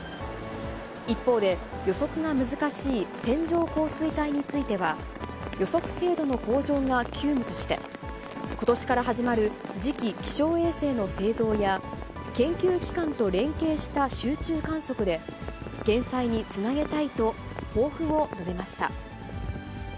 一方で、予測が難しい線状降水帯については、予測精度の向上が急務として、ことしから始まる次期気象衛星の製造や研究機関と連携した集中観測で、減災につなげたいと抱負を述べました。